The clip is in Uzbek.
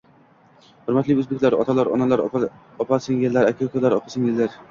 Hurmatli o'zbeklar, otalar, onalar, opa -singillar, aka -ukalar, opa -singillar